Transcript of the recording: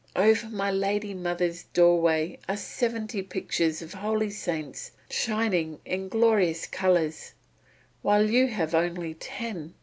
Over my lady mother's doorway are seventy pictures of holy saints shining in glorious colours, while you have only ten.